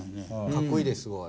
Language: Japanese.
かっこいいですすごい。